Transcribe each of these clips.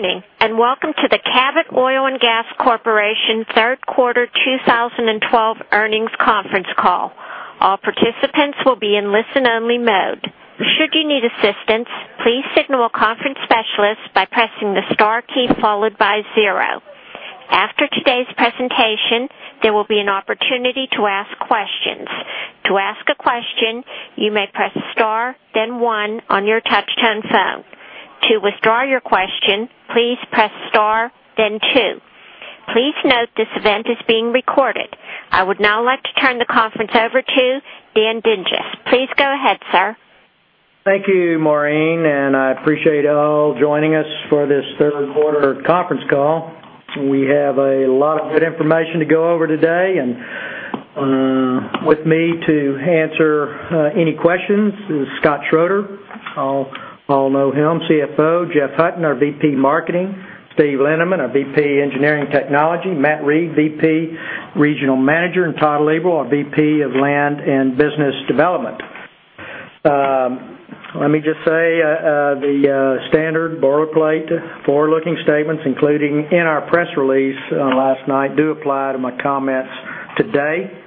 Good morning, welcome to the Cabot Oil & Gas Corporation third quarter 2012 earnings conference call. All participants will be in listen-only mode. Should you need assistance, please signal a conference specialist by pressing the star key, followed by zero. After today's presentation, there will be an opportunity to ask questions. To ask a question, you may press star then one on your touch-tone phone. To withdraw your question, please press star then two. Please note this event is being recorded. I would now like to turn the conference over to Dan Dinges. Please go ahead, sir. Thank you, Maureen, I appreciate all joining us for this third quarter conference call. We have a lot of good information to go over today. With me to answer any questions is Scott Schroeder, all know him, CFO, Jeff Hutton, our VP Marketing, Steve Lindeman, our VP Engineering Technology, Matt Reid, VP Regional Manager, and Todd Liebl, our VP of Land and Business Development. Let me just say the standard boilerplate forward-looking statements, including in our press release last night, do apply to my comments today.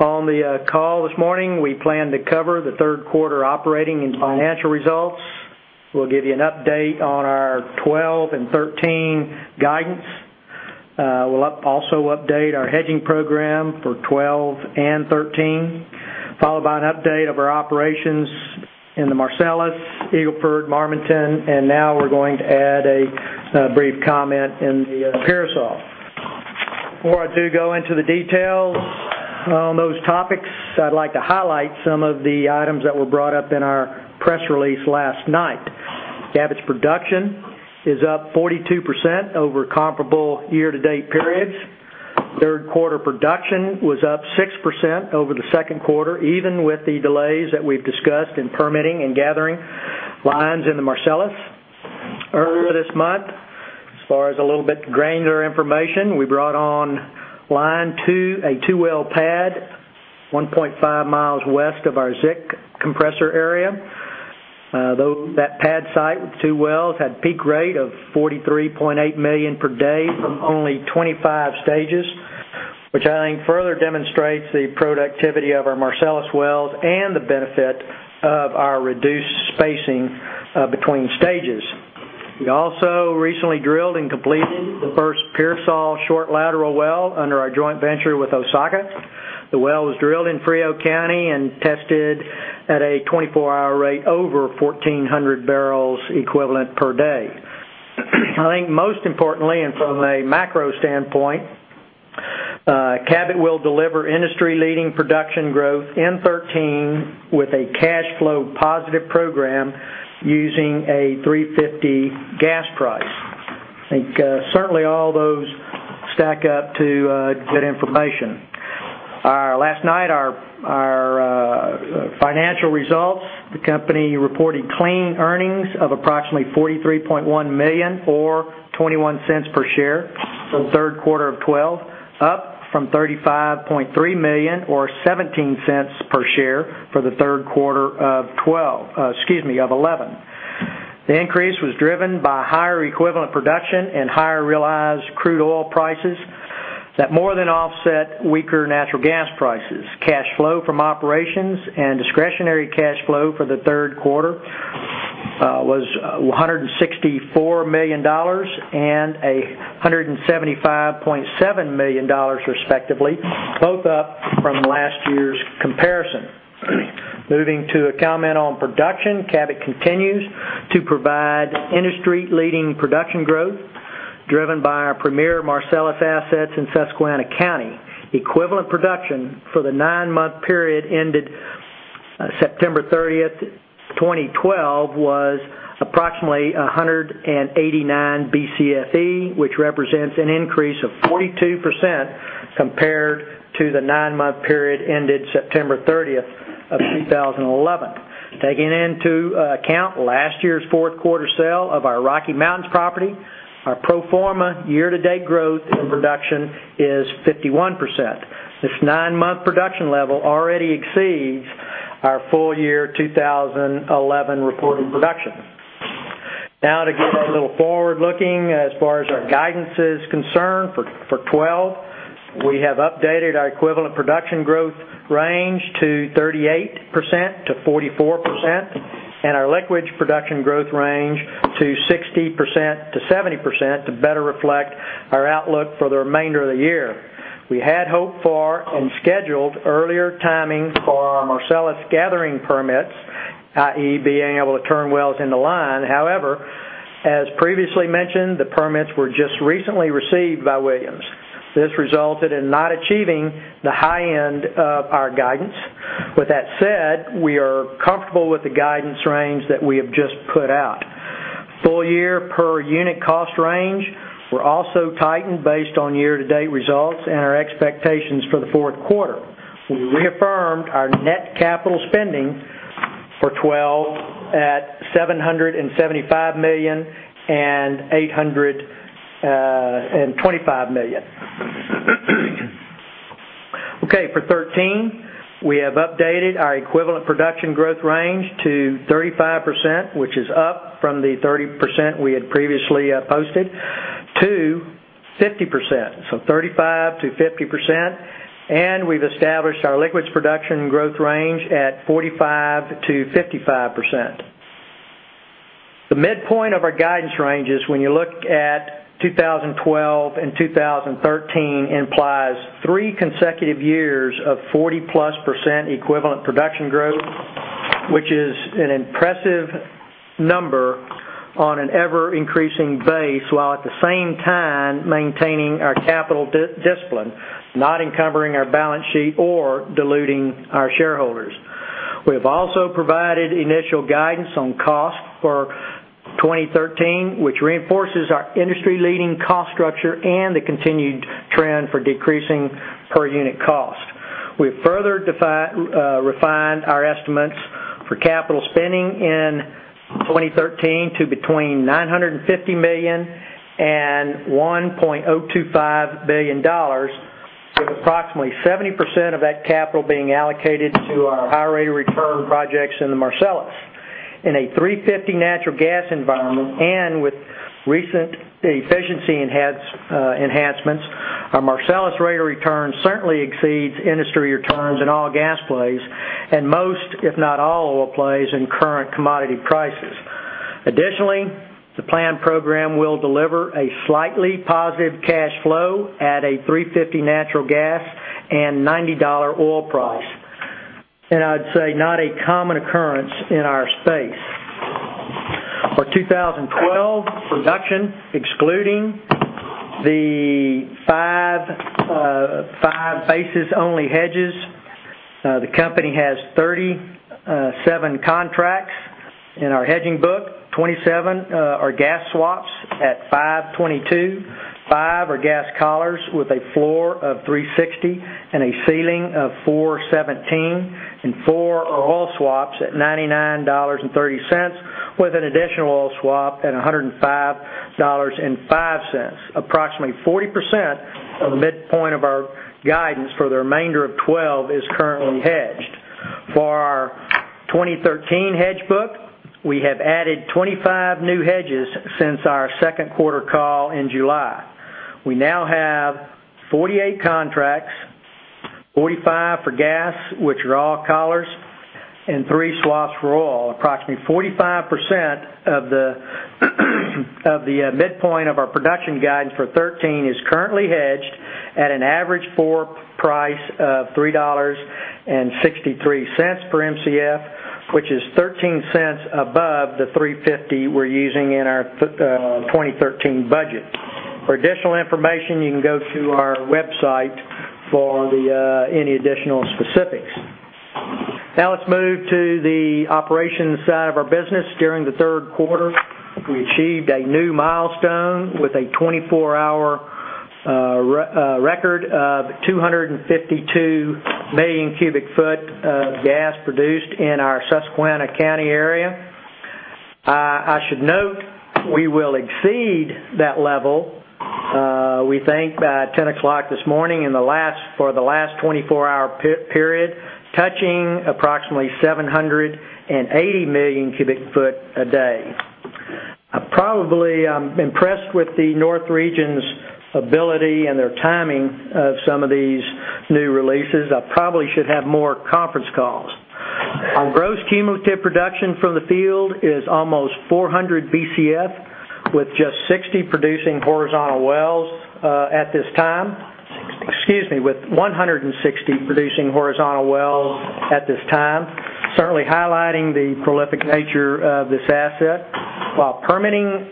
On the call this morning, we plan to cover the third quarter operating and financial results. We'll give you an update on our 2012 and 2013 guidance. We'll also update our hedging program for 2012 and 2013, followed by an update of our operations in the Marcellus, Eagle Ford, Marmaton, and now we're going to add a brief comment in the Pearsall. Before I do go into the details on those topics, I'd like to highlight some of the items that were brought up in our press release last night. Cabot's production is up 42% over comparable year-to-date periods. Third quarter production was up 6% over the second quarter, even with the delays that we've discussed in permitting and gathering lines in the Marcellus earlier this month. As far as a little bit granular information, we brought on line two, a 2-well pad, 1.5 miles west of our Zick compressor area. That pad site with two wells had peak rate of 43.8 million per day from only 25 stages, which I think further demonstrates the productivity of our Marcellus wells and the benefit of our reduced spacing between stages. We also recently drilled and completed the first Pearsall short lateral well under our joint venture with Osaka. The well was drilled in Frio County and tested at a 24-hour rate over 1,400 barrels equivalent per day. I think most importantly, from a macro standpoint, Cabot will deliver industry-leading production growth in 2013 with a cash flow positive program using a $3.50 gas price. I think certainly all those stack up to good information. Last night, our financial results, the company reported clean earnings of approximately $43.1 million or $0.21 per share for the third quarter of 2012, up from $35.3 million or $0.17 per share for the third quarter of 2011. The increase was driven by higher equivalent production and higher realized crude oil prices that more than offset weaker natural gas prices. Cash flow from operations and discretionary cash flow for the third quarter was $164 million and $175.7 million respectively, both up from last year's comparison. Moving to a comment on production, Cabot continues to provide industry-leading production growth driven by our premier Marcellus assets in Susquehanna County. Equivalent production for the nine-month period ended September 30th, 2012, was approximately 189 BCFE, which represents an increase of 42% compared to the nine-month period ended September 30th of 2011. Taking into account last year's fourth quarter sale of our Rocky Mountains property, our pro forma year-to-date growth in production is 51%. This nine-month production level already exceeds our full year 2011 reported production. To get a little forward-looking as far as our guidance is concerned for 2012, we have updated our equivalent production growth range to 38%-44%, and our liquids production growth range to 60%-70% to better reflect our outlook for the remainder of the year. We had hoped for and scheduled earlier timing for our Marcellus gathering permits, i.e., being able to turn wells into line. However, as previously mentioned, the permits were just recently received by Williams. This resulted in not achieving the high end of our guidance. With that said, we are comfortable with the guidance range that we have just put out. Full year per unit cost range were also tightened based on year-to-date results and our expectations for the fourth quarter. We reaffirmed our net capital spending for 2012 at $775 million and $825 million. For 2013, we have updated our equivalent production growth range to 35%, which is up from the 30% we had previously posted, to 50%. 35%-50%, and we've established our liquids production growth range at 45%-55%. The midpoint of our guidance ranges, when you look at 2012 and 2013, implies three consecutive years of 40-plus % equivalent production growth, which is an impressive number on an ever-increasing base, while at the same time maintaining our capital discipline, not encumbering our balance sheet or diluting our shareholders. We have also provided initial guidance on cost for 2013, which reinforces our industry-leading cost structure and the continued trend for decreasing per unit cost. We have further refined our estimates for capital spending in 2013 to between $950 million and $1.025 billion, with approximately 70% of that capital being allocated to our higher rate of return projects in the Marcellus. In a $3.50 natural gas environment, with recent efficiency enhancements, our Marcellus rate of return certainly exceeds industry returns in all gas plays and most, if not all, oil plays in current commodity prices. The planned program will deliver a slightly positive cash flow at a $3.50 natural gas and $90 oil price. I'd say not a common occurrence in our space. For 2012 production, excluding the five basis only hedges, the company has 37 contracts in our hedging book. 27 are gas swaps at $5.22, five are gas collars with a floor of $3.60 and a ceiling of $4.17, and four are oil swaps at $99.30 with an additional oil swap at $105.05. Approximately 40% of the midpoint of our guidance for the remainder of 2012 is currently hedged. For our 2013 hedge book, we have added 25 new hedges since our second quarter call in July. We now have 48 contracts, 45 for gas, which are all collars, and three swaps for oil. Approximately 45% of the midpoint of our production guidance for 2013 is currently hedged at an average floor price of $3.63 per Mcf, which is $0.13 above the $3.50 we're using in our 2013 budget. For additional information, you can go to our website for any additional specifics. Now let's move to the operations side of our business. During the third quarter, we achieved a new milestone with a 24-hour record of 252 million cubic foot of gas produced in our Susquehanna County area. I should note we will exceed that level, we think, by 10:00 A.M. this morning and for the last 24-hour period, touching approximately 780 million cubic foot a day. I'm impressed with the North region's ability and their timing of some of these new releases. I probably should have more conference calls. Our gross cumulative production from the field is almost 400 Bcf, with just 60 producing horizontal wells at this time. 160. Excuse me, with 160 producing horizontal wells at this time, certainly highlighting the prolific nature of this asset. While permitting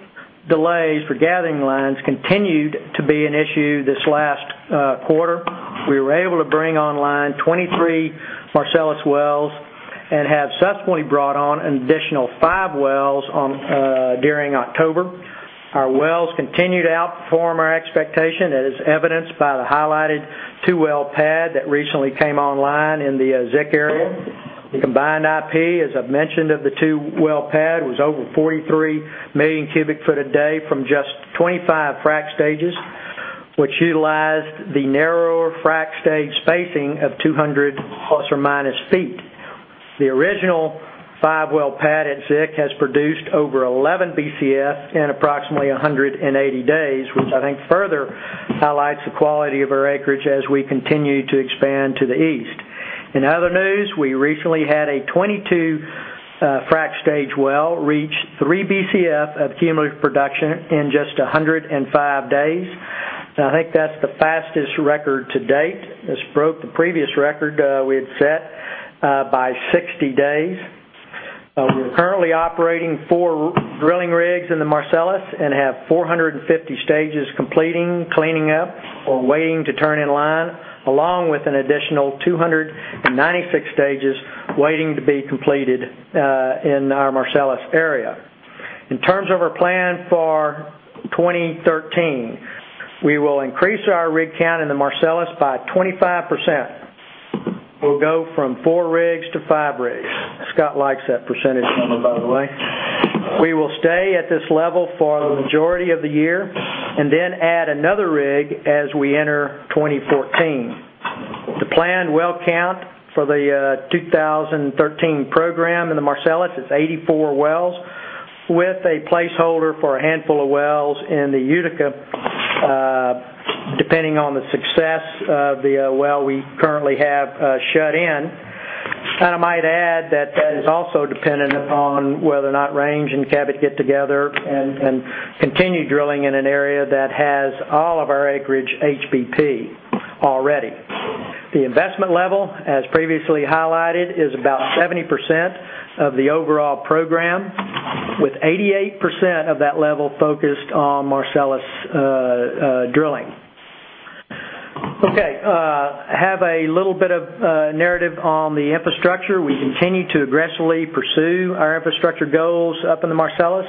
delays for gathering lines continued to be an issue this last quarter, we were able to bring online 23 Marcellus wells and have successfully brought on an additional five wells during October. Our wells continue to outperform our expectation, as evidenced by the highlighted two-well pad that recently came online in the Zick area. The combined IP, as I've mentioned, of the two-well pad was over 43 million cubic foot a day from just 25 frack stages, which utilized the narrower frack stage spacing of 200 ± feet. The original five-well pad at Zick has produced over 11 Bcf in approximately 180 days, which I think further highlights the quality of our acreage as we continue to expand to the east. In other news, we recently had a 22 frack stage well reach 3 Bcf of cumulative production in just 105 days. I think that's the fastest record to date. This broke the previous record we had set by 60 days. We're currently operating four drilling rigs in the Marcellus and have 450 stages completing, cleaning up, or waiting to turn in line, along with an additional 296 stages waiting to be completed in our Marcellus area. In terms of our plan for 2013, we will increase our rig count in the Marcellus by 25%. We'll go from four rigs to five rigs. Scott likes that percentage number, by the way. We will stay at this level for the majority of the year and then add another rig as we enter 2014. The planned well count for the 2013 program in the Marcellus is 84 wells, with a placeholder for a handful of wells in the Utica, depending on the success of the well we currently have shut in. I might add that that is also dependent upon whether or not Range and Cabot get together and continue drilling in an area that has all of our acreage HBP already. The investment level, as previously highlighted, is about 70% of the overall program, with 88% of that level focused on Marcellus drilling. Okay. I have a little bit of narrative on the infrastructure. We continue to aggressively pursue our infrastructure goals up in the Marcellus.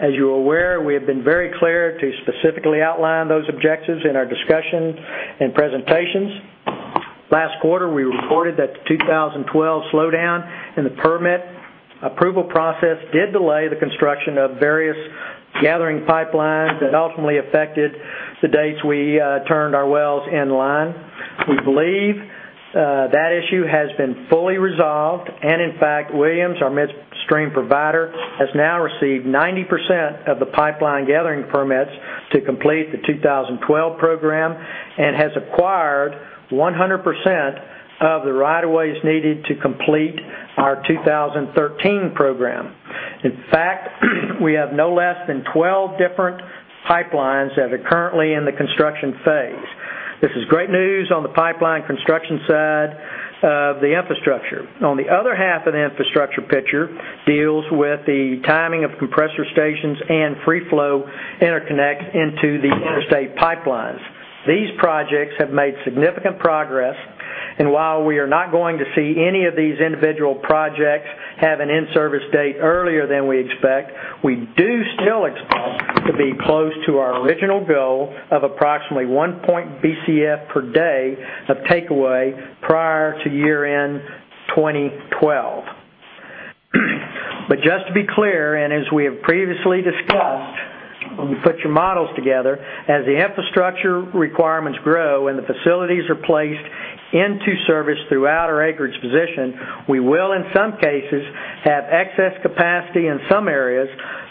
As you are aware, we have been very clear to specifically outline those objectives in our discussion and presentations. Last quarter, we reported that the 2012 slowdown in the permit approval process did delay the construction of various gathering pipelines that ultimately affected the dates we turned our wells in line. We believe that issue has been fully resolved, in fact, Williams, our midstream provider, has now received 90% of the pipeline gathering permits to complete the 2012 program and has acquired 100% of the right of ways needed to complete our 2013 program. In fact, we have no less than 12 different pipelines that are currently in the construction phase. This is great news on the pipeline construction side of the infrastructure. On the other half of the infrastructure picture deals with the timing of compressor stations and free flow interconnect into the interstate pipelines. These projects have made significant progress, while we are not going to see any of these individual projects have an in-service date earlier than we expect, we do still expect to be close to our original goal of approximately 1.0 Bcf per day of takeaway prior to year-end 2012. Just to be clear, as we have previously discussed, when you put your models together, as the infrastructure requirements grow and the facilities are placed into service throughout our acreage position, we will, in some cases, have excess capacity in some areas,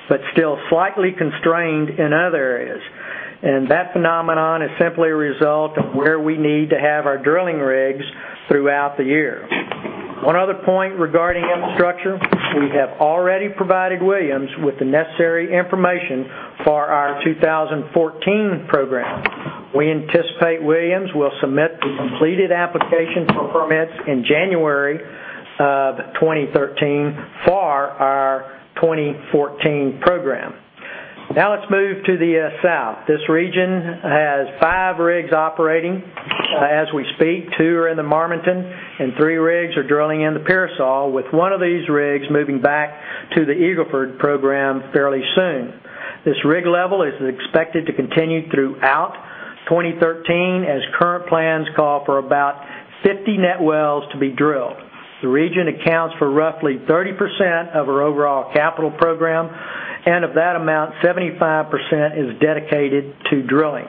but still slightly constrained in other areas. That phenomenon is simply a result of where we need to have our drilling rigs throughout the year. One other point regarding infrastructure, we have already provided Williams with the necessary information for our 2014 program. We anticipate Williams will submit the completed application for permits in January of 2013 for our 2014 program. Now let's move to the South. This region has five rigs operating as we speak. Two are in the Marmaton, and three rigs are drilling in the Pearsall, with one of these rigs moving back to the Eagle Ford program fairly soon. This rig level is expected to continue throughout 2013, as current plans call for about 50 net wells to be drilled. The region accounts for roughly 30% of our overall capital program, and of that amount, 75% is dedicated to drilling.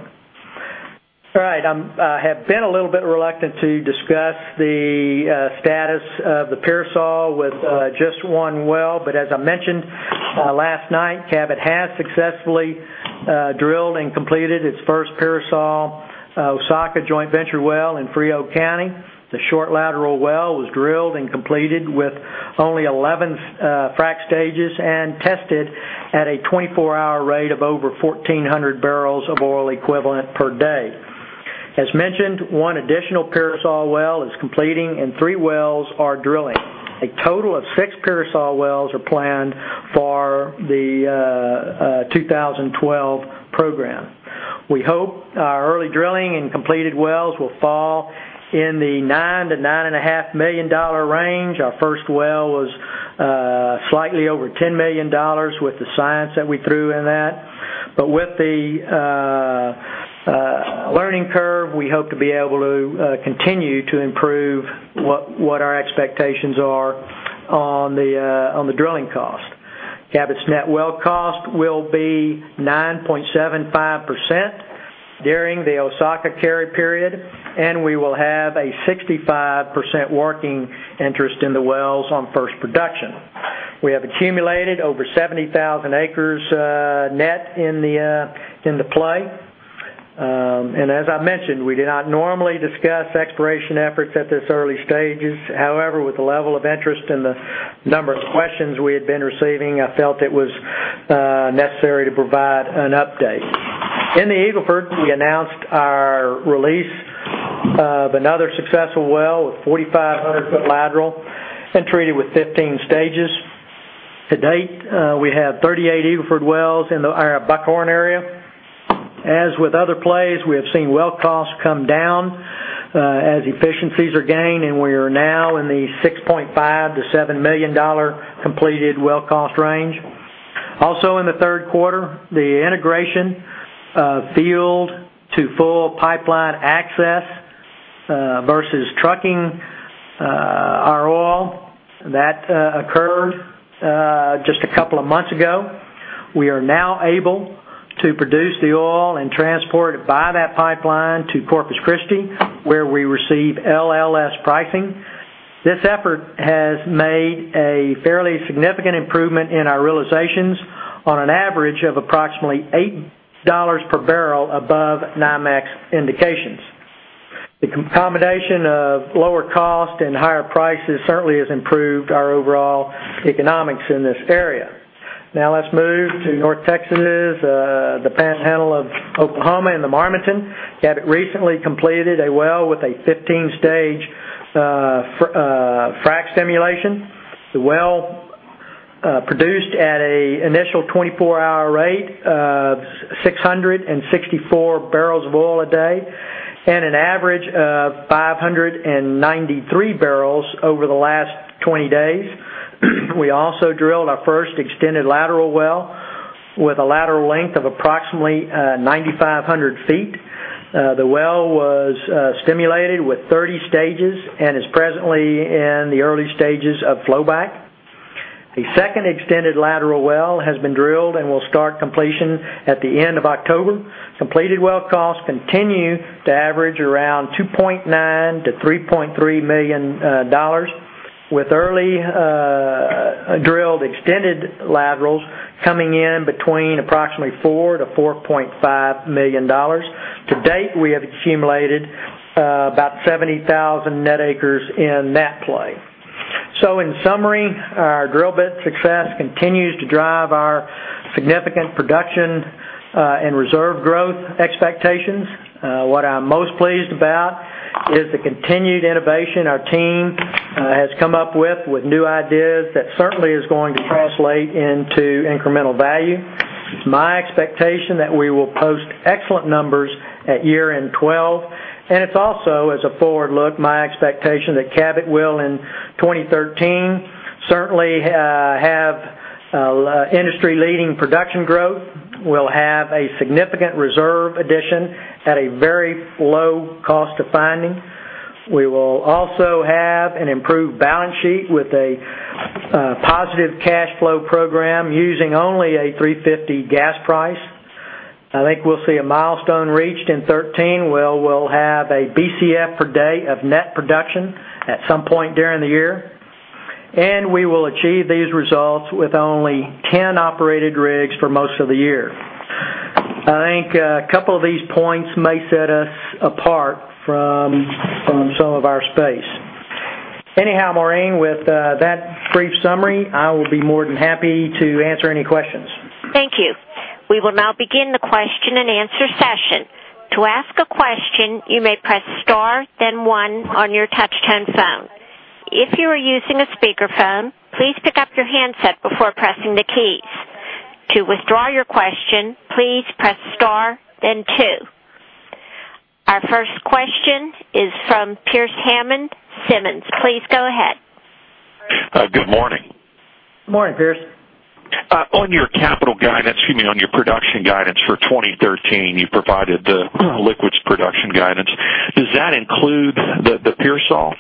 All right, I have been a little bit reluctant to discuss the status of the Pearsall with just one well, but as I mentioned last night, Cabot has successfully drilled and completed its first Pearsall Osaka joint venture well in Frio County. The short lateral well was drilled and completed with only 11 frac stages and tested at a 24-hour rate of over 1,400 barrels of oil equivalent per day. As mentioned, one additional Pearsall well is completing and three wells are drilling. A total of six Pearsall wells are planned for the 2012 program. We hope our early drilling and completed wells will fall in the $9 million-$9.5 million range. Our first well was slightly over $10 million with the science that we threw in that. With the learning curve, we hope to be able to continue to improve what our expectations are on the drilling cost. Cabot's net well cost will be 9.75% during the Osaka carry period, and we will have a 65% working interest in the wells on first production. We have accumulated over 70,000 acres net in the play. As I mentioned, we do not normally discuss exploration efforts at this early stages. However, with the level of interest and the number of questions we had been receiving, I felt it was necessary to provide an update. In the Eagle Ford, we announced our release of another successful well with a 4,500-foot lateral and treated with 15 stages. To date, we have 38 Eagle Ford wells in our Buckhorn area. As with other plays, we have seen well costs come down as efficiencies are gained, and we are now in the $6.5 million-$7 million completed well cost range. Also in the third quarter, the integration of field to full pipeline access versus trucking our oil, that occurred just a couple of months ago. We are now able to produce the oil and transport it by that pipeline to Corpus Christi, where we receive LLS pricing. This effort has made a fairly significant improvement in our realizations on an average of approximately $8 per barrel above NYMEX indications. The combination of lower cost and higher prices certainly has improved our overall economics in this area. Let's move to North Texas, the Panhandle of Oklahoma, and the Marmaton. Cabot recently completed a well with a 15-stage frac simulation. The well produced at an initial 24-hour rate of 664 barrels of oil a day and an average of 593 barrels over the last 20 days. We also drilled our first extended lateral well with a lateral length of approximately 9,500 feet. The well was stimulated with 30 stages and is presently in the early stages of flow back. A second extended lateral well has been drilled and will start completion at the end of October. Completed well costs continue to average around $2.9 million-$3.3 million, with early drilled extended laterals coming in between approximately $4 million-$4.5 million. To date, we have accumulated about 70,000 net acres in that play. In summary, our drill bit success continues to drive our significant production and reserve growth expectations. What I'm most pleased about is the continued innovation our team has come up with new ideas that certainly is going to translate into incremental value. It's my expectation that we will post excellent numbers at year-end 2012, and it's also, as a forward look, my expectation that Cabot will, in 2013, certainly have industry-leading production growth. We'll have a significant reserve addition at a very low cost to finding. We will also have an improved balance sheet with a positive cash flow program using only a $350 gas price. I think we'll see a milestone reached in 2013, where we'll have a Bcf per day of net production at some point during the year, and we will achieve these results with only 10 operated rigs for most of the year. I think a couple of these points may set us apart from some of our space. Maureen, with that brief summary, I will be more than happy to answer any questions. Thank you. We will now begin the question and answer session. To ask a question, you may press star, then one on your touchtone phone. If you are using a speakerphone, please pick up your handset before pressing the keys. To withdraw your question, please press star then two. Our first question is from Pearce Hammond, Simmons. Please go ahead. Good morning. Morning, Pearce. On your capital guidance, excuse me, on your production guidance for 2013, you provided the liquids production guidance. Does that include the Pearsall?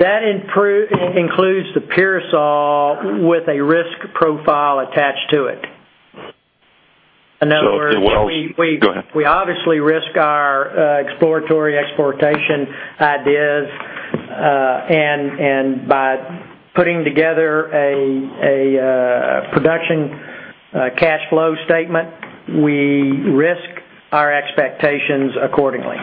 That includes the Pearsall with a risk profile attached to it. What else? In other words. Go ahead. We obviously risk our exploratory exploration ideas. By putting together a production cash flow statement, we risk our expectations accordingly.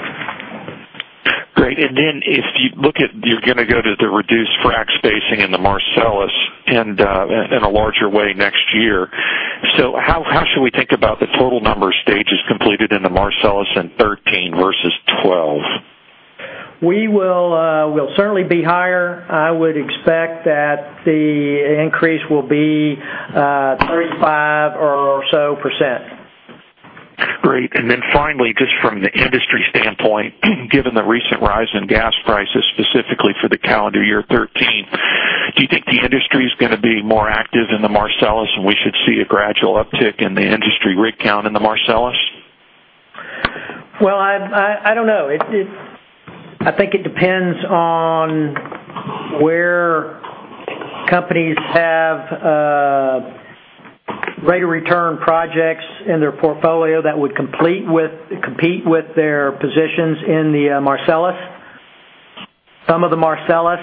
Great. If you look at, you're going to go to the reduced frack spacing in the Marcellus and in a larger way next year. How should we think about the total number of stages completed in the Marcellus in 2013 versus 2012? We will certainly be higher. I would expect that the increase will be 35% or so. Great. Finally, just from the industry standpoint, given the recent rise in gas prices, specifically for the calendar year 2013, do you think the industry is going to be more active in the Marcellus, and we should see a gradual uptick in the industry rig count in the Marcellus? I don't know. I think it depends on where companies have greater return projects in their portfolio that would compete with their positions in the Marcellus. Some of the Marcellus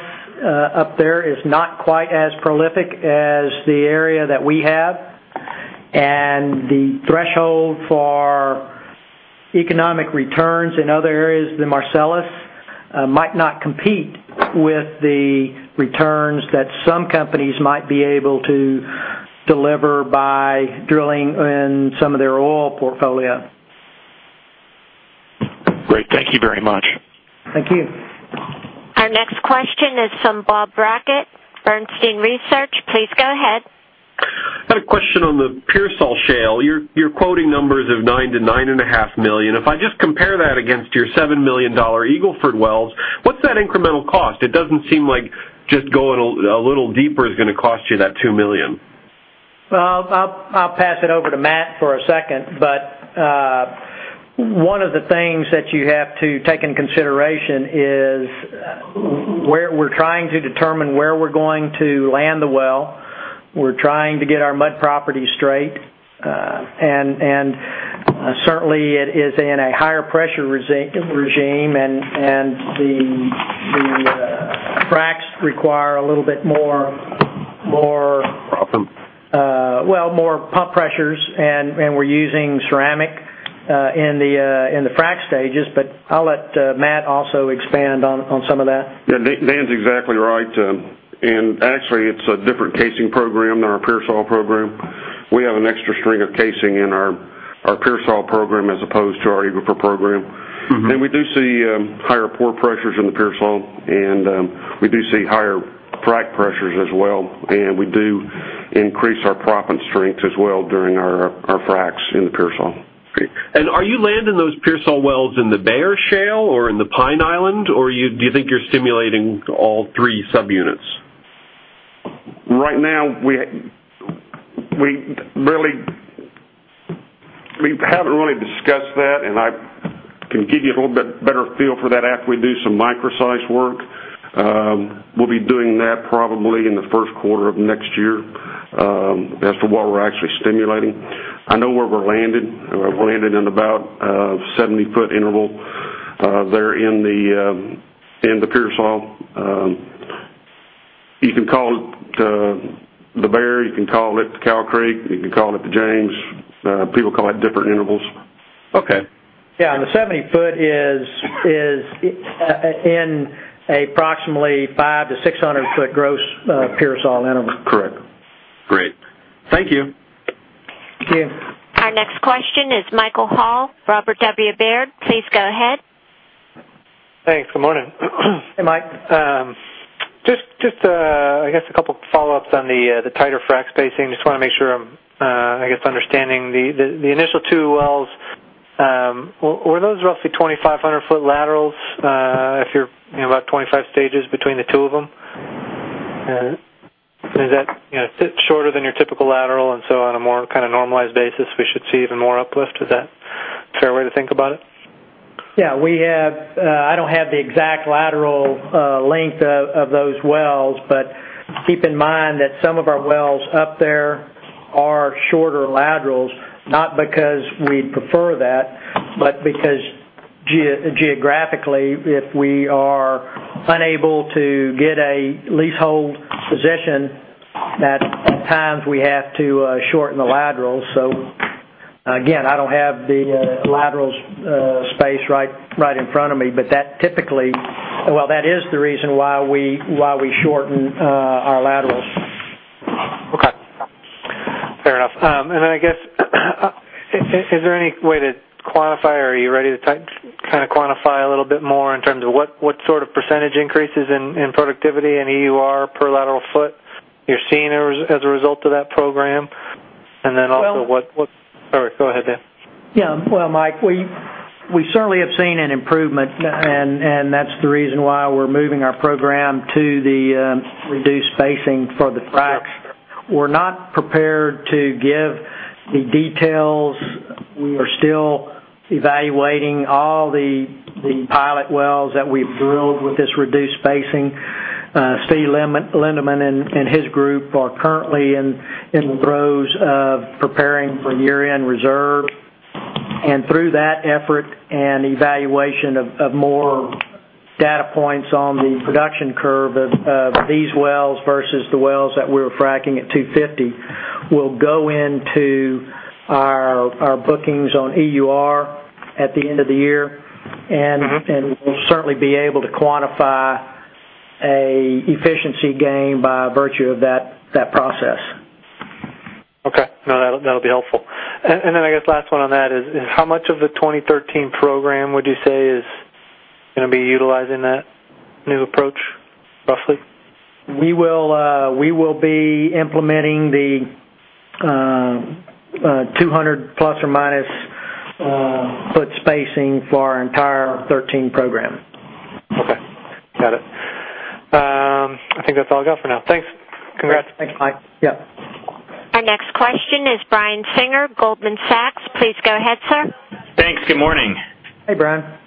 up there is not quite as prolific as the area that we have, and the threshold for economic returns in other areas than Marcellus might not compete with the returns that some companies might be able to deliver by drilling in some of their oil portfolio. Great. Thank you very much. Thank you. Our next question is from Bob Brackett, Bernstein Research. Please go ahead. I had a question on the Pearsall Shale. You're quoting numbers of $9 million to nine and a half million. If I just compare that against your $7 million Eagle Ford wells, what's that incremental cost? It doesn't seem like just going a little deeper is going to cost you that $2 million. Well, I'll pass it over to Matt for a second. One of the things that you have to take into consideration is we're trying to determine where we're going to land the well. We're trying to get our mud property straight. Certainly, it is in a higher pressure regime, and the fracs require a little bit more. Proppant Well, more pump pressures, and we're using ceramic in the frac stages. I'll let Matt also expand on some of that. Dan's exactly right. Actually, it's a different casing program than our Pearsall program. We have an extra string of casing in our Pearsall program as opposed to our Eagle Ford program. We do see higher pore pressures in the Pearsall, and we do see higher frac pressures as well, and we do increase our proppant strength as well during our fracs in the Pearsall. Are you landing those Pearsall wells in the Bexar shale or in the Pine Island, or do you think you're stimulating all three subunits? Right now, we haven't really discussed that, and I can give you a little bit better feel for that after we do some microseismic work. We'll be doing that probably in the first quarter of next year, as to what we're actually stimulating. I know where we're landed. We're landed in about a 70-foot interval there in the Pearsall. You can call it the Bexar, you can call it the Cow Creek, you can call it the James. People call it different intervals. Okay. Yeah, the 70 foot is in approximately 500 foot-600 foot gross Pearsall interval. Correct. Great. Thank you. Thank you. Our next question is Michael Hall, Robert W. Baird. Please go ahead. Thanks. Good morning. Hey, Mike. A couple follow-ups on the tighter frac spacing. I want to make sure I'm understanding. The initial 2 wells, were those roughly 2,500 foot laterals if you're about 25 stages between the 2 of them? Is that shorter than your typical lateral, and so on a more normalized basis, we should see even more uplift? Is that a fair way to think about it? I don't have the exact lateral length of those wells, but keep in mind that some of our wells up there are shorter laterals, not because we'd prefer that, but because geographically, if we are unable to get a leasehold position, at times we have to shorten the laterals. Again, I don't have the lateral space right in front of me. That is the reason why we shorten our laterals. Okay. Fair enough. I guess, is there any way to quantify, or are you ready to quantify a little bit more in terms of what sort of % increases in productivity and EUR per lateral foot you're seeing as a result of that program? Also what Sorry, go ahead, Dan. Yeah. Well, Mike, we certainly have seen an improvement, and that's the reason why we're moving our program to the reduced spacing for the fracs. We're not prepared to give the details. We are still evaluating all the pilot wells that we've drilled with this reduced spacing. Steve Lindeman and his group are currently in the throes of preparing for year-end reserve. Through that effort and evaluation of more data points on the production curve of these wells versus the wells that we were fracking at 250 will go into our bookings on EUR at the end of the year, and we'll certainly be able to quantify an efficiency gain by virtue of that process. Okay. No, that'll be helpful. I guess last one on that is, how much of the 2013 program would you say is going to be utilizing that new approach, roughly? We will be implementing the 200 plus or minus foot spacing for our entire 2013 program. Okay. Got it. I think that's all I've got for now. Thanks. Congrats. Thanks, Mike. Yep. Our next question is Brian Singer, Goldman Sachs. Please go ahead, sir. Thanks. Good morning. Hey, Brian.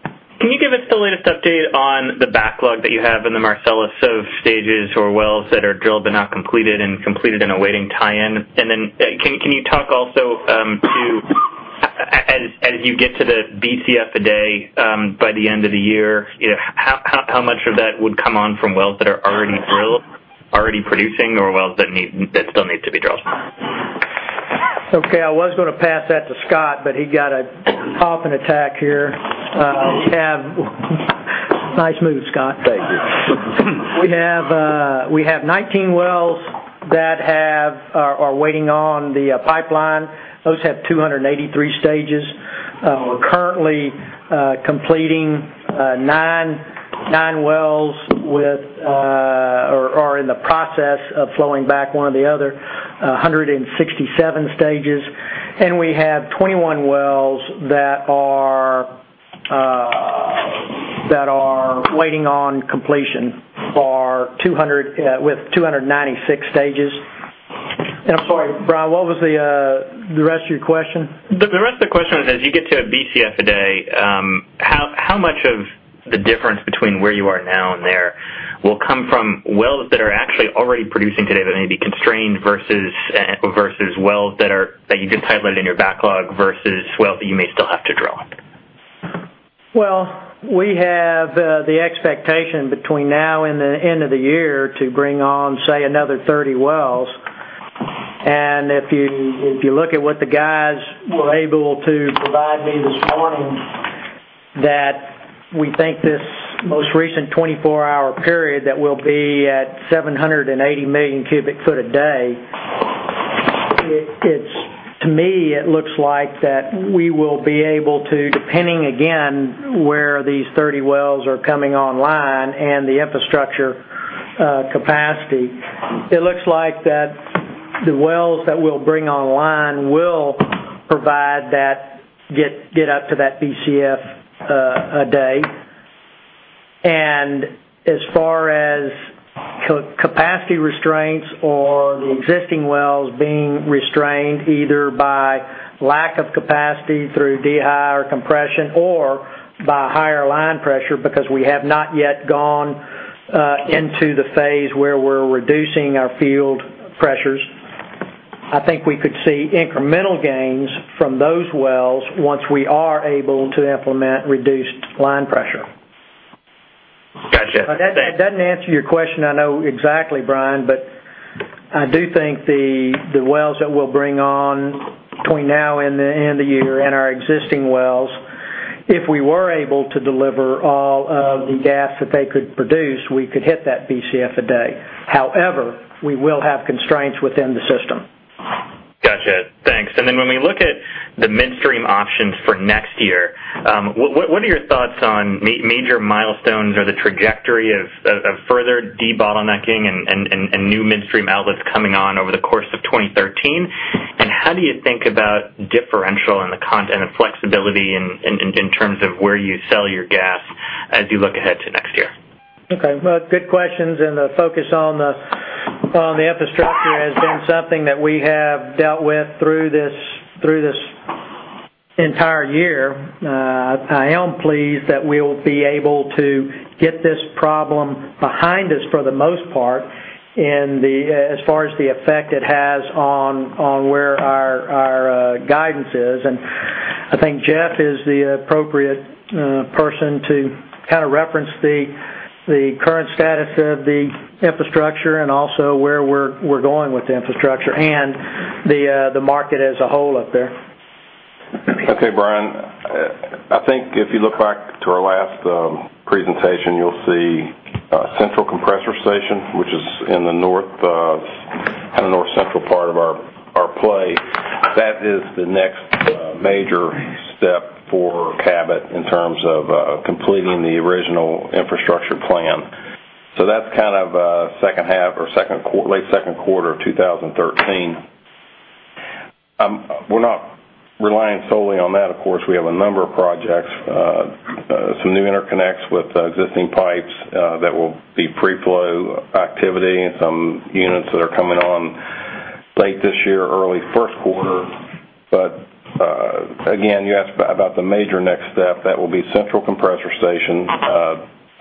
Can you give us the latest update on the backlog that you have in the Marcellus of stages or wells that are drilled but not completed and completed and awaiting tie-in? Then can you talk also to, as you get to the Bcf a day by the end of the year, how much of that would come on from wells that are already drilled, already producing, or wells that still need to be drilled? Okay, I was going to pass that to Scott, but he got a coughing attack here. Sorry. Nice move, Scott. Thank you. We have 19 wells that are waiting on the pipeline. Those have 283 stages. We're currently completing 9 wells in the process of flowing back one of the other 167 stages, and we have 21 wells that are waiting on completion with 296 stages. I'm sorry, Brian, what was the rest of your question? The rest of the question is, as you get to a Bcf a day, how much of the difference between where you are now and there will come from wells that are actually already producing today that may be constrained, versus wells that you can title it in your backlog, versus wells that you may still have to drill? Well, we have the expectation between now and the end of the year to bring on, say, another 30 wells. If you look at what the guys were able to provide me this morning, that we think this most recent 24-hour period that we'll be at 780 million cubic feet a day. To me, it looks like that we will be able to, depending, again, where these 30 wells are coming online and the infrastructure capacity, it looks like that the wells that we'll bring online will provide that, get up to that Bcf a day. As far as capacity restraints or the existing wells being restrained, either by lack of capacity through dehy compression or by higher line pressure, because we have not yet gone into the phase where we're reducing our field pressures, I think we could see incremental gains from those wells once we are able to implement reduced line pressure. Gotcha. That doesn't answer your question, I know, exactly, Brian, but I do think the wells that we'll bring on between now and the end of year, and our existing wells, if we were able to deliver all of the gas that they could produce, we could hit that BCF a day. However, we will have constraints within the system. Gotcha. Thanks. Then when we look at the midstream options for next year, what are your thoughts on major milestones or the trajectory of further de-bottlenecking and new midstream outlets coming on over the course of 2013? How do you think about differential and the content and flexibility in terms of where you sell your gas as you look ahead to next year? Okay. Good questions, the focus on the infrastructure has been something that we have dealt with through this entire year. I am pleased that we'll be able to get this problem behind us for the most part as far as the effect it has on where our guidance is. I think Jeff is the appropriate person to reference the current status of the infrastructure and also where we're going with the infrastructure and the market as a whole up there. Okay, Brian. I think if you look back to our last presentation, you'll see Central Compressor Station, which is in the north central part of our play. That is the next major step for Cabot in terms of completing the original infrastructure plan. That's second half or late second quarter of 2013. We're not relying solely on that, of course. We have a number of projects, some new interconnects with existing pipes that will be pre-flow activity, and some units that are coming on late this year, early first quarter. Again, you asked about the major next step. That will be Central Compressor Station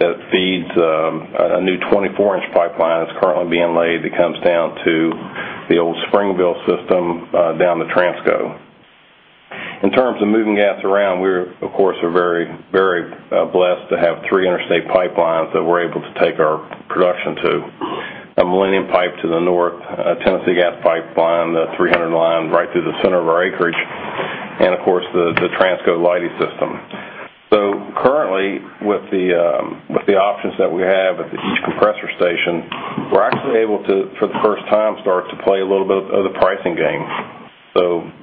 that feeds a new 24-inch pipeline that's currently being laid that comes down to the old Springville system down to Transco. In terms of moving gas around, we, of course, are very blessed to have three interstate pipelines that we're able to take our production to. A Millennium pipe to the North, a Tennessee Gas Pipeline, the 300 line right through the center of our acreage, and of course, the Transco Leidy system. Currently, with the options that we have at each compressor station, we're actually able to, for the first time, start to play a little bit of the pricing game.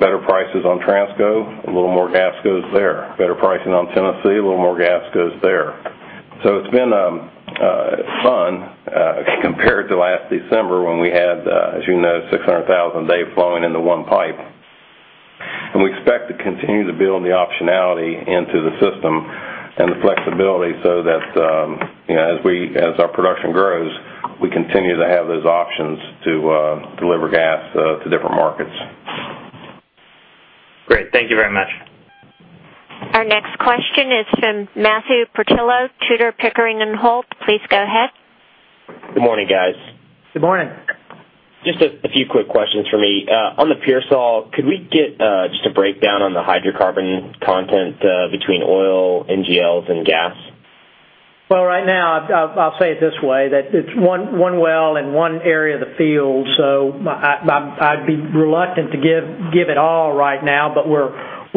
Better prices on Transco, a little more gas goes there. Better pricing on Tennessee, a little more gas goes there. It's been fun, compared to last December when we had, as you know, 600,000 a day flowing into one pipe. We expect to continue to build the optionality into the system and the flexibility so that as our production grows, we continue to have those options to deliver gas to different markets. Great. Thank you very much. Our next question is from Matthew Portillo, Tudor, Pickering & Holt. Please go ahead. Good morning, guys. Good morning. Just a few quick questions for me. On the Pearsall, could we get just a breakdown on the hydrocarbon content between oil, NGLs, and gas? Well, right now, I'll say it this way, that it's one well in one area of the field, so I'd be reluctant to give it all right now, but we're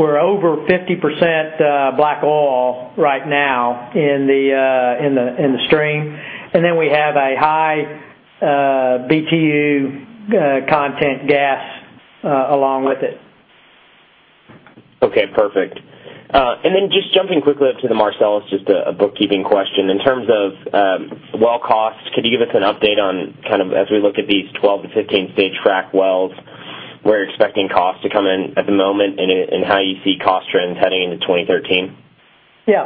over 50% black oil right now in the stream. We have a high BTU content gas along with it. Okay, perfect. Just jumping quickly up to the Marcellus, just a bookkeeping question. In terms of well cost, could you give us an update on, as we look at these 12-15 stage frack wells, where you're expecting costs to come in at the moment and how you see cost trends heading into 2013? Yeah.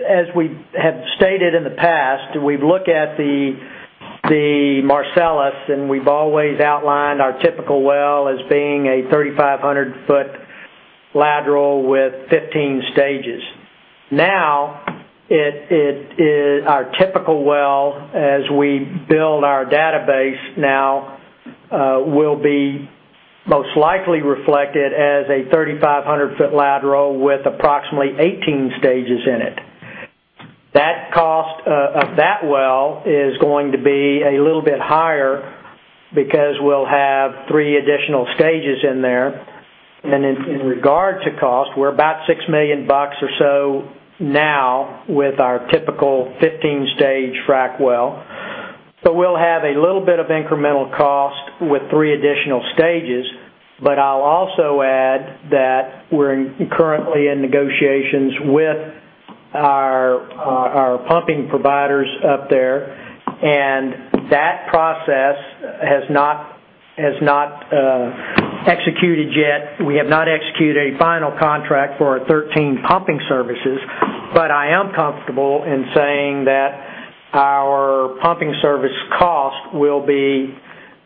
As we have stated in the past, we've looked at the Marcellus, we've always outlined our typical well as being a 3,500-foot lateral with 15 stages. Now, our typical well, as we build our database now, will be most likely reflected as a 3,500-foot lateral with approximately 18 stages in it. The cost of that well is going to be a little bit higher because we'll have 3 additional stages in there. In regard to cost, we're about $6 million or so now with our typical 15-stage frack well. We'll have a little bit of incremental cost with 3 additional stages. I'll also add that we're currently in negotiations with our pumping providers up there, that process has not executed yet. We have not executed a final contract for our 2013 pumping services, I am comfortable in saying that our pumping service cost will be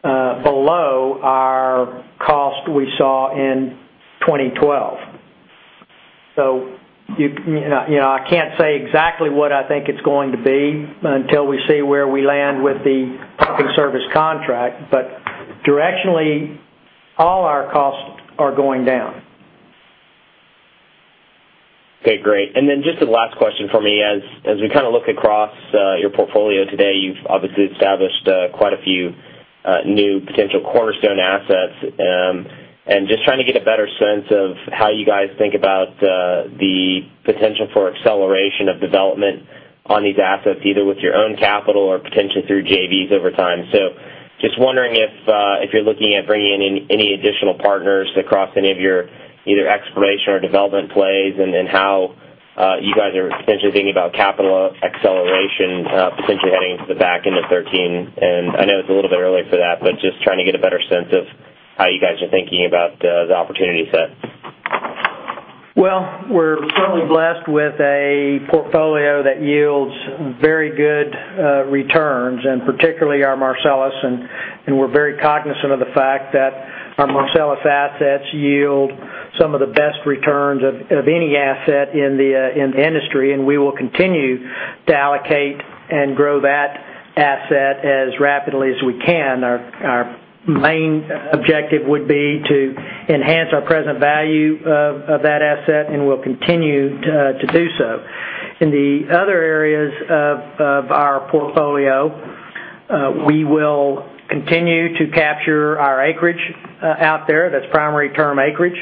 below our cost we saw in 2012. I can't say exactly what I think it's going to be until we see where we land with the pumping service contract. Directionally, all our costs are going down. Okay, great. Just the last question from me. As we look across your portfolio today, you've obviously established quite a few new potential cornerstone assets. Just trying to get a better sense of how you guys think about the potential for acceleration of development on these assets, either with your own capital or potentially through JVs over time. Just wondering if you're looking at bringing in any additional partners across any of your either exploration or development plays. How you guys are potentially thinking about capital acceleration, potentially heading into the back end of 2013. I know it's a little bit early for that, but just trying to get a better sense of how you guys are thinking about the opportunity set. We're certainly blessed with a portfolio that yields very good returns. Particularly our Marcellus. We're very cognizant of the fact that our Marcellus assets yield some of the best returns of any asset in the industry. We will continue to allocate and grow that asset as rapidly as we can. Our main objective would be to enhance our present value of that asset. We'll continue to do so. In the other areas of our portfolio, we will continue to capture our acreage out there, that's primary term acreage.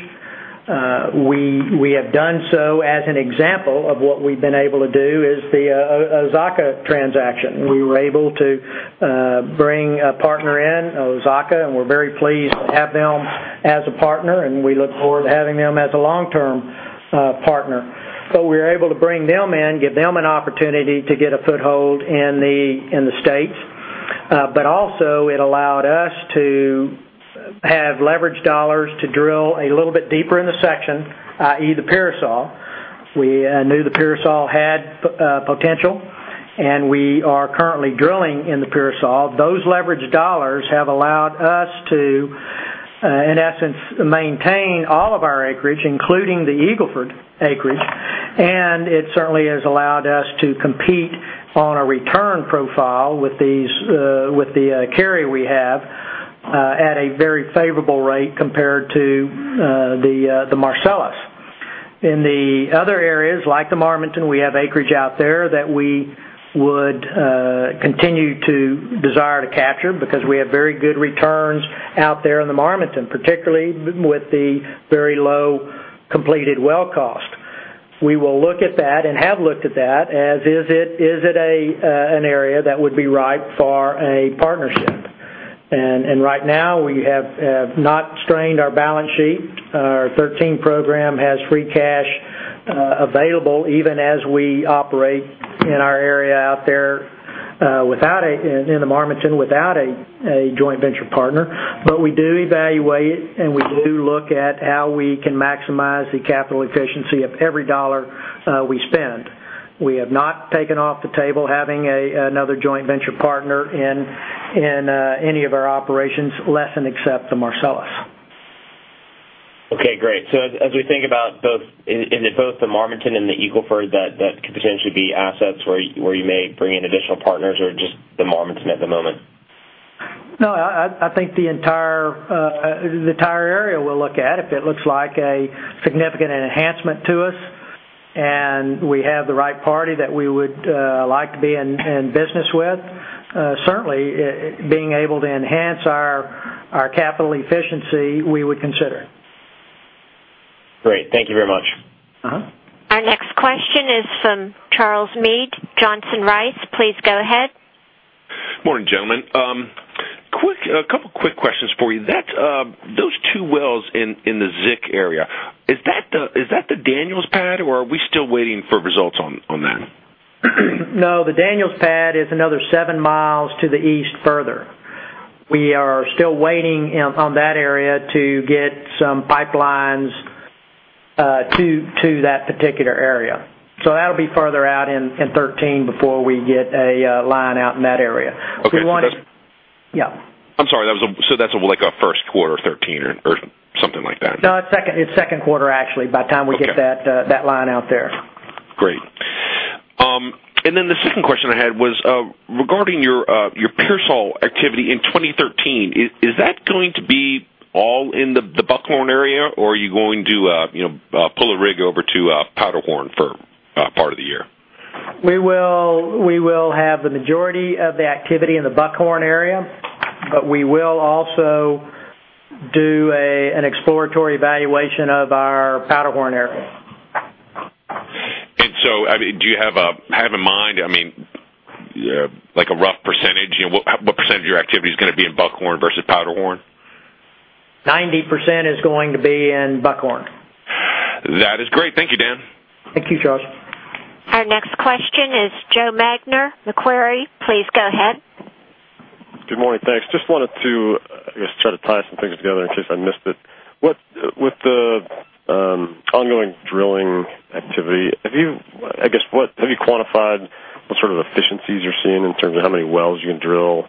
We have done so. An example of what we've been able to do is the Osaka transaction. We were able to bring a partner in, Osaka. We're very pleased to have them as a partner. We look forward to having them as a long-term partner. We were able to bring them in, give them an opportunity to get a foothold in the States. Also, it allowed us to have leverage dollars to drill a little bit deeper in the section, i.e., the Pearsall. We knew the Pearsall had potential. We are currently drilling in the Pearsall. Those leverage dollars have allowed us to, in essence, maintain all of our acreage, including the Eagle Ford acreage. It certainly has allowed us to compete on a return profile with the carry we have at a very favorable rate compared to the Marcellus. In the other areas, like the Marmaton, we have acreage out there that we would continue to desire to capture because we have very good returns out there in the Marmaton, particularly with the very low completed well cost. We will look at that. Have looked at that as, is it an area that would be ripe for a partnership? Right now, we have not strained our balance sheet. Our 2013 program has free cash available even as we operate in our area out there in the Marmaton without a joint venture partner. We do evaluate. We do look at how we can maximize the capital efficiency of every dollar we spend. We have not taken off the table having another joint venture partner in any of our operations, less than except the Marcellus. Okay, great. As we think about both the Marmaton and the Eagle Ford, that could potentially be assets where you may bring in additional partners, or just the Marmaton at the moment? I think the entire area we'll look at. If it looks like a significant enhancement to us and we have the right party that we would like to be in business with, certainly, being able to enhance our capital efficiency, we would consider it. Great. Thank you very much. Our next question is from Charles Meade, Johnson Rice. Please go ahead. Morning, gentlemen. A couple quick questions for you. Those two wells in the Zick area, is that the Daniels pad, or are we still waiting for results on that? No, the Daniels pad is another seven miles to the east further. We are still waiting on that area to get some pipelines to that particular area. That'll be further out in 2013 before we get a line out in that area. Okay. Yeah. I'm sorry, that's like a first quarter 2013 or something like that? No, it's second quarter, actually. Okay that line out there. Great. The second question I had was, regarding your Pearsall activity in 2013, is that going to be all in the Buckhorn area, or are you going to pull a rig over to Powderhorn for part of the year? We will have the majority of the activity in the Buckhorn area, but we will also do an exploratory evaluation of our Powderhorn area. Do you have in mind, like a rough percentage? What percentage of your activity is going to be in Buckhorn versus Powderhorn? 90% is going to be in Buckhorn. That is great. Thank you, Dan. Thank you, Charles. Our next question is Joseph Magner, Macquarie. Please go ahead. Good morning. Thanks. Just wanted to, I guess, try to tie some things together in case I missed it. With the ongoing drilling activity, have you quantified what sort of efficiencies you're seeing in terms of how many wells you can drill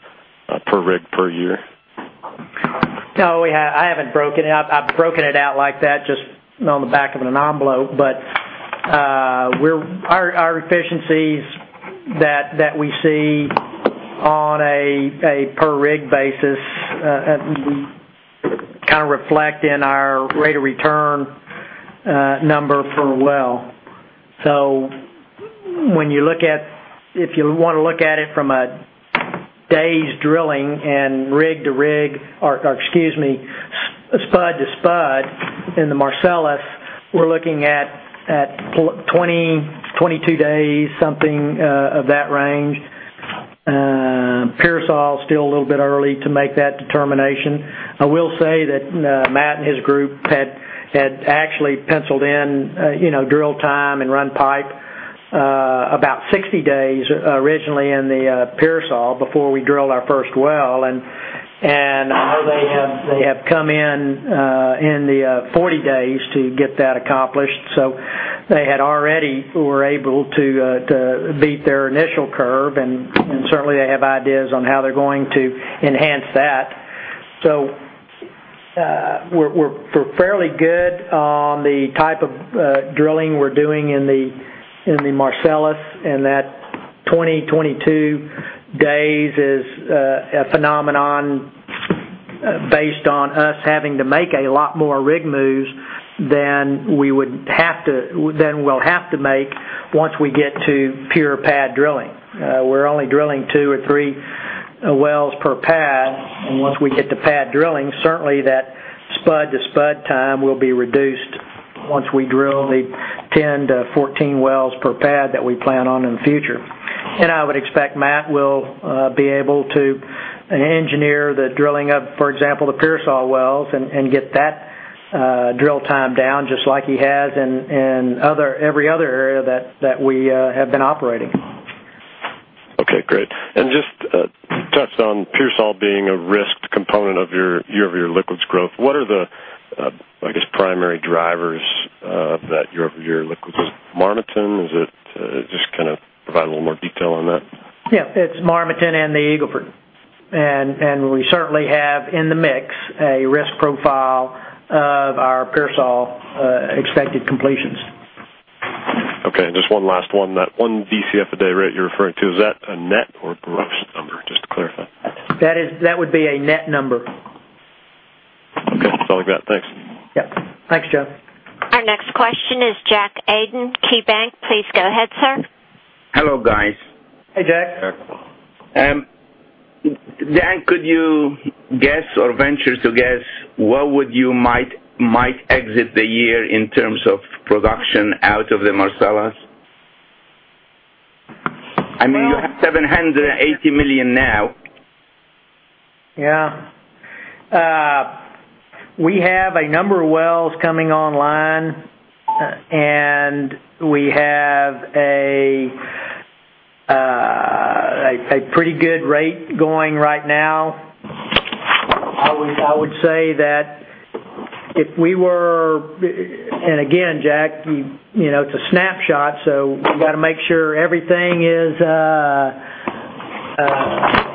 per rig per year? No, I haven't broken it out like that, just on the back of an envelope. Our efficiencies that we see on a per-rig basis, we reflect in our rate of return number per well. If you want to look at it from a day's drilling and spud to spud in the Marcellus, we're looking at 20, 22 days, something of that range. Pearsall's still a little bit early to make that determination. I will say that Matt and his group had actually penciled in drill time and run pipe about 60 days originally in the Pearsall before we drilled our first well. I know they have come in the 40 days to get that accomplished. They had already were able to beat their initial curve, and certainly, they have ideas on how they're going to enhance that. We're fairly good on the type of drilling we're doing in the Marcellus, and that 20, 22 days is a phenomenon based on us having to make a lot more rig moves than we'll have to make once we get to pure pad drilling. We're only drilling two or three wells per pad, and once we get to pad drilling, certainly that spud-to-spud time will be reduced once we drill the 10 to 14 wells per pad that we plan on in the future. I would expect Matt will be able to engineer the drilling of, for example, the Pearsall wells, and get that drill time down just like he has in every other area that we have been operating. Okay, great. Just touched on Pearsall being a risked component of your year-over-year liquids growth. What are the, I guess, primary drivers of that year-over-year liquids? Is it Marmaton? Just provide a little more detail on that. Yeah. It's Marmaton and the Eagle Ford. We certainly have, in the mix, a risk profile of our Pearsall expected completions. Okay, just one last one. That one Bcf a day rate you're referring to, is that a net or gross number? Just to clarify. That would be a net number. Okay. It's all good. Thanks. Yep. Thanks, Joe. Our next question is Jack Aden, KeyBank. Please go ahead, sir. Hello, guys. Hey, Jack. Dan, could you guess, or venture to guess, where would you might exit the year in terms of production out of the Marcellus? You have 780 million now. Yeah. We have a number of wells coming online, and we have a pretty good rate going right now. I would say that if we were, and again, Jack, it's a snapshot, so we've got to make sure everything is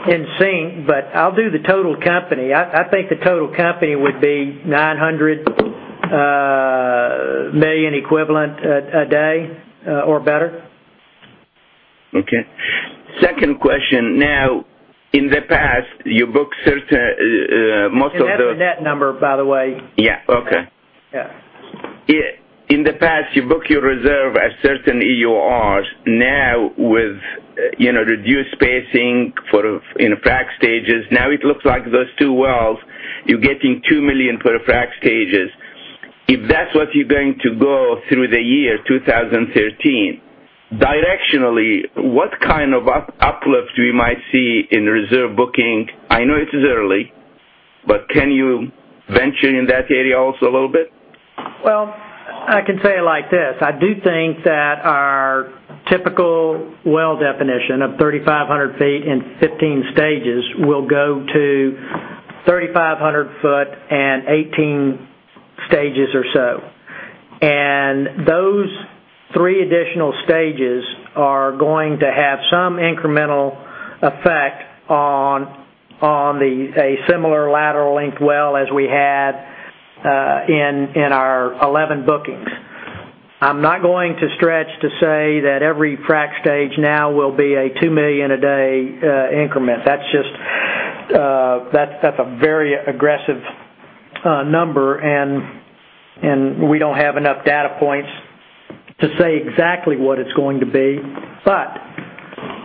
in sync. I'll do the total company. I think the total company would be 900 million equivalent a day or better. Okay. Second question. Now, in the past, you book certain. That's a net number, by the way. Yeah. Okay. Yeah. In the past, you book your reserve at certain EURs. Now with reduced spacing in frac stages, now it looks like those two wells, you're getting 2 million per frac stages. If that's what you're going to go through the year 2013, directionally, what kind of uplifts we might see in reserve booking? I know it is early, but can you venture in that area also a little bit? Well, I can say it like this. I do think that our typical well definition of 3,500 feet and 15 stages will go to 3,500 foot and 18 stages or so. Those 3 additional stages are going to have some incremental effect on a similar lateral length well as we had in our 11 bookings. I'm not going to stretch to say that every frac stage now will be a 2 million a day increment. That's a very aggressive number, and we don't have enough data points to say exactly what it's going to be.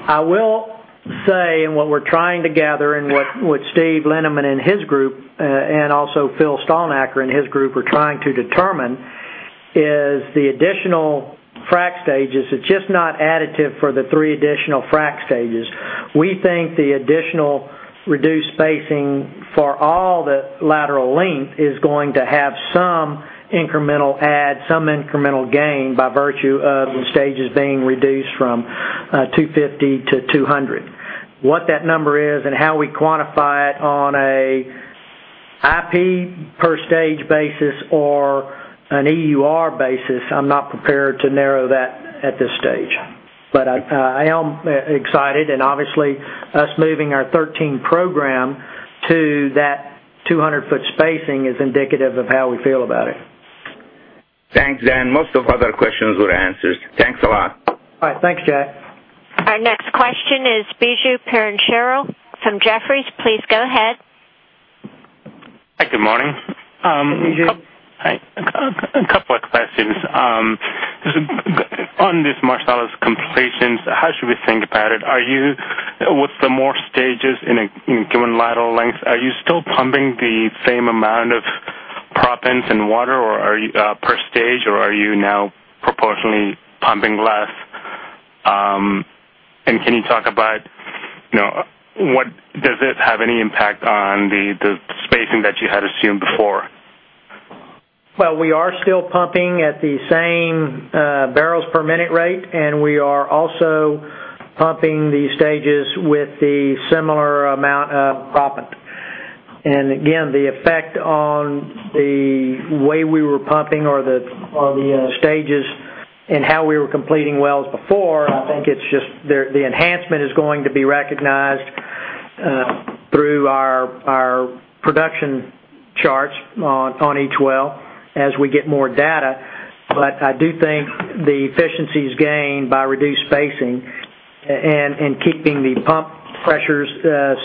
I will say, and what we're trying to gather and what Steve Lindeman and his group, and also Phil Stalnaker and his group are trying to determine, is the additional frac stages. It's just not additive for the 3 additional frac stages. We think the additional reduced spacing for all the lateral length is going to have some incremental add, some incremental gain by virtue of the stages being reduced from 250 to 200. What that number is and how we quantify it on an IP per stage basis or an EUR basis, I'm not prepared to narrow that at this stage. I am excited and obviously us moving our 13 program to that 200-foot spacing is indicative of how we feel about it. Thanks, Dan. Most of other questions were answered. Thanks a lot. All right. Thanks, Jack. Our next question is Biju Perincheril from Jefferies. Please go ahead. Hi, good morning. Hey, Biju. Hi. A couple of questions. On this Marcellus completions, how should we think about it? With the more stages in a given lateral length, are you still pumping the same amount of proppants and water per stage, or are you now proportionally pumping less? Can you talk about does it have any impact on the spacing that you had assumed before? We are still pumping at the same barrels per minute rate, we are also pumping the stages with the similar amount of proppant. Again, the effect on the way we were pumping or the stages and how we were completing wells before, I think the enhancement is going to be recognized through our production charts on each well as we get more data. I do think the efficiencies gained by reduced spacing and keeping the pump pressures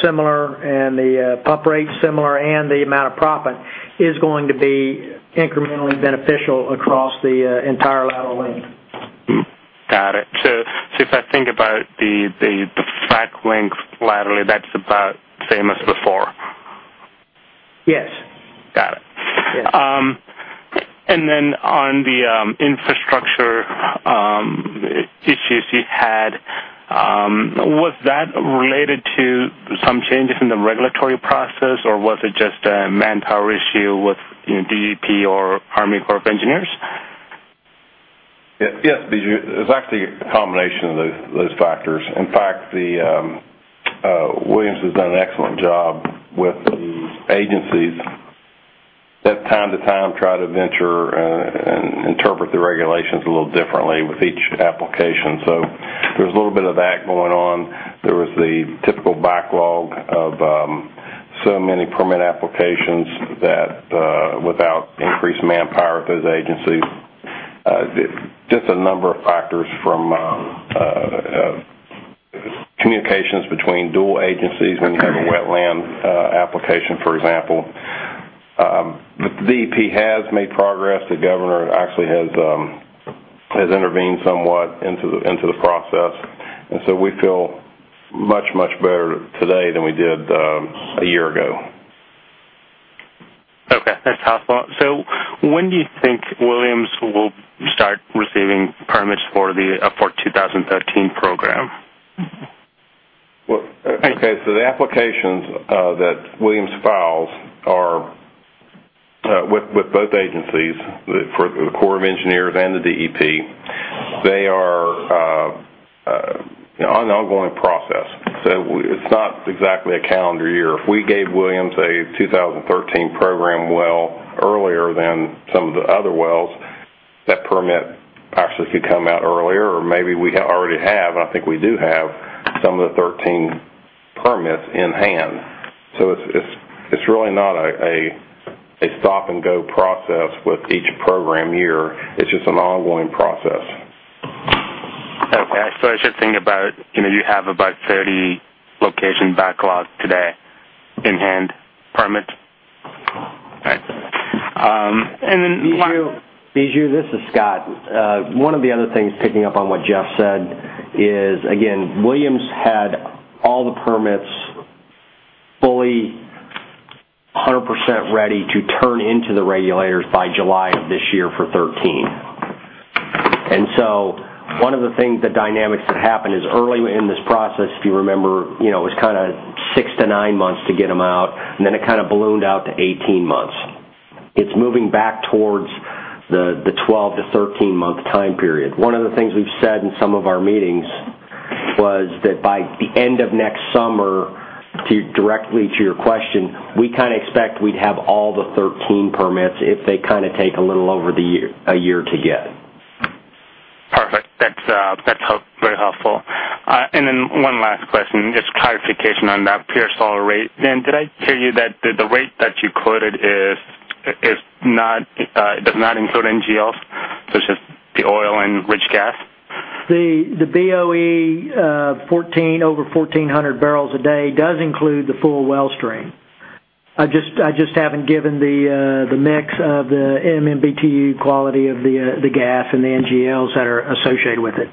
similar and the pump rate similar and the amount of proppant is going to be incrementally beneficial across the entire lateral length. Got it. If I think about the frac length laterally, that's about same as before? Yes. Got it. Yes. On the infrastructure issues you had, was that related to some changes in the regulatory process, or was it just a manpower issue with DEP or U.S. Army Corps of Engineers? Yes, Biju. It was actually a combination of those factors. In fact, Williams has done an excellent job with the agencies that time to time try to venture and interpret the regulations a little differently with each application. There was a little bit of that going on. There was the typical backlog of so many permit applications that without increased manpower at those agencies, just a number of factors from communications between dual agencies when you have a wetland application, for example. The DEP has made progress. The governor actually has intervened somewhat into the process, we feel much, much better today than we did a year ago. Okay, that's helpful. When do you think Williams will start receiving permits for the 2013 program? The applications that Williams files are with both agencies, the U.S. Army Corps of Engineers and the Pennsylvania Department of Environmental Protection. They are on an ongoing process. It's not exactly a calendar year. If we gave Williams a 2013 program well earlier than some of the other wells, that permit actually could come out earlier, or maybe we already have, and I think we do have some of the 13 permits in hand. It's really not a stop-and-go process with each program year. It's just an ongoing process. I should think about you have about 30 location backlog today in hand permit? Biju, this is Scott. One of the other things, picking up on what Jeff said, is again, Williams had all the permits Be 100% ready to turn into the regulators by July of this year for 2013. One of the things, the dynamics that happened is early in this process, if you remember, it was six to nine months to get them out, and then it ballooned out to 18 months. It's moving back towards the 12 to 13 month time period. One of the things we've said in some of our meetings was that by the end of next summer, directly to your question, we expect we'd have all the 2013 permits if they take a little over a year to get. Perfect. That's very helpful. One last question, just clarification on that Pearsall rate. Dan, did I hear you that the rate that you quoted does not include NGLs, such as the oil and rich gas? The BOE over 1,400 barrels a day does include the full well stream. I just haven't given the mix of the MMBtu quality of the gas and the NGLs that are associated with it.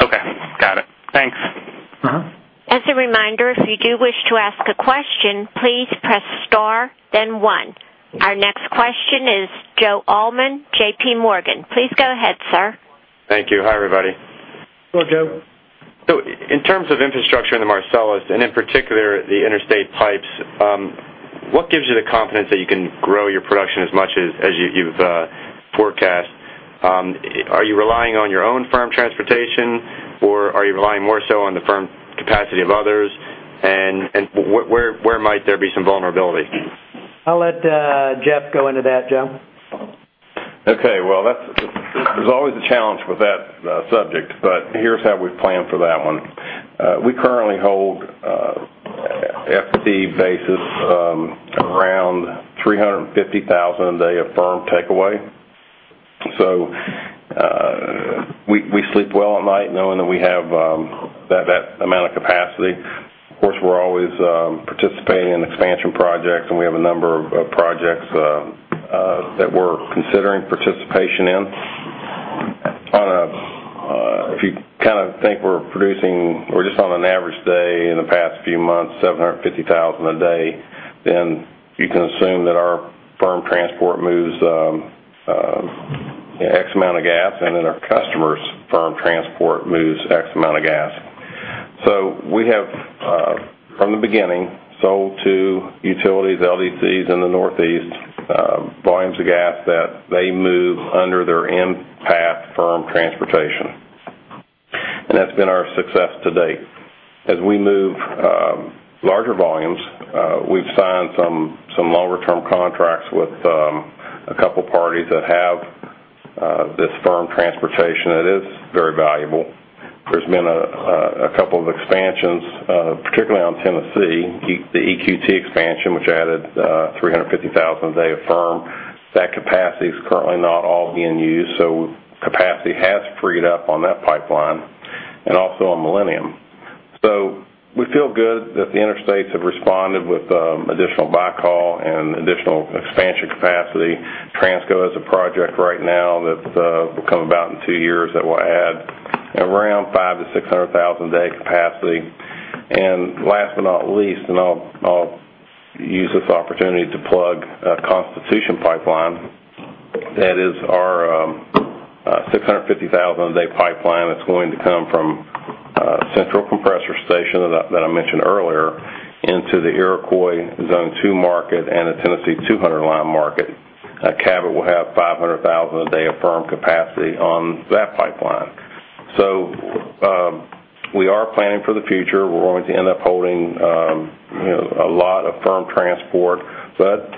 Okay. Got it. Thanks. As a reminder, if you do wish to ask a question, please press star, then one. Our next question is Joe Allman, JPMorgan. Please go ahead, sir. Thank you. Hi, everybody. Hello, Joe. In terms of infrastructure in the Marcellus, and in particular, the interstate pipes, what gives you the confidence that you can grow your production as much as you've forecast? Are you relying on your own Firm Transportation, or are you relying more so on the firm capacity of others? And where might there be some vulnerability? I'll let Jeff go into that, Joe. Okay. There's always a challenge with that subject, but here's how we've planned for that one. We currently hold FT basis around 350,000 a day of firm takeaway. We sleep well at night knowing that we have that amount of capacity. Of course, we're always participating in expansion projects, and we have a number of projects that we're considering participation in. If you think we're producing, we're just on an average day in the past few months, 750,000 a day, then you can assume that our firm transport moves X amount of gas, and then our customer's firm transport moves X amount of gas. We have, from the beginning, sold to utilities, LDCs in the Northeast, volumes of gas that they move under their in-path firm transportation. That's been our success to date. As we move larger volumes, we've signed some longer term contracts with a couple parties that have this firm transportation that is very valuable. There's been a couple of expansions, particularly on Tennessee, the EQT expansion, which added 350,000 a day of firm. That capacity is currently not all being used, so capacity has freed up on that pipeline and also on Millennium. We feel good that the interstates have responded with additional backhaul and additional expansion capacity. Transco has a project right now that will come about in 2 years that will add around 500,000-600,000 a day capacity. Last but not least, and I'll use this opportunity to plug Constitution Pipeline. That is our 650,000 a day pipeline that's going to come from Central Compressor Station that I mentioned earlier into the Iroquois Zone 2 market and the Tennessee 200 Line market. Cabot will have 500,000 a day of firm capacity on that pipeline. We are planning for the future. We're going to end up holding a lot of firm transport, but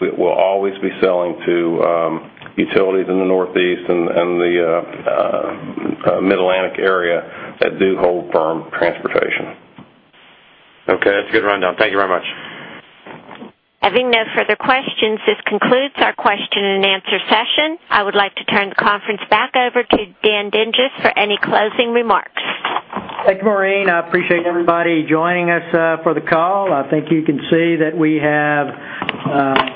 we will always be selling to utilities in the Northeast and the Mid-Atlantic area that do hold firm transportation. Okay. That's a good rundown. Thank you very much. Having no further questions, this concludes our question and answer session. I would like to turn the conference back over to Dan Dinges for any closing remarks. Thank you, Maureen. I appreciate everybody joining us for the call. I think you can see that we have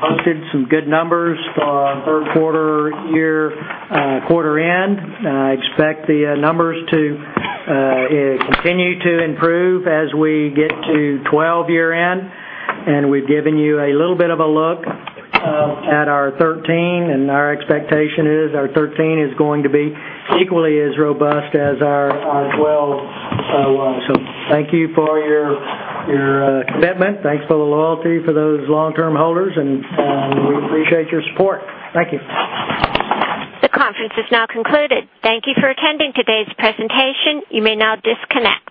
posted some good numbers for third quarter, year quarter end. I expect the numbers to continue to improve as we get to 2012 year end, and we've given you a little bit of a look at our 2013, and our expectation is our 2013 is going to be equally as robust as our 2012 was. Thank you for your commitment. Thanks for the loyalty for those long-term holders, and we appreciate your support. Thank you. The conference is now concluded. Thank you for attending today's presentation. You may now disconnect.